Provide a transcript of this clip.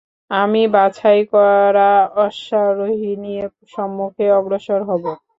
আমি বাছাই করা অশ্বারোহী নিয়ে সম্মুখে অগ্রসর হব।